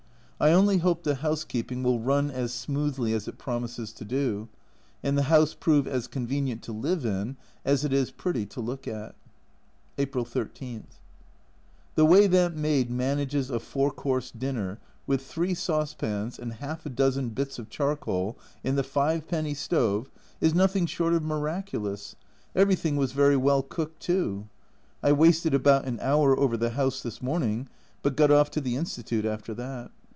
I only hope the housekeeping will run as smoothly as it promises to do, and the house prove as convenient to live in as it is pretty to look at. April 13. The way that maid manages a four course dinner, with three saucepans and half a dozen bits of charcoal in the fivepenny stove, is nothing short of miraculous everything was very well cooked too. I wasted about an hour over the house this morning, but got off to the Institute after that.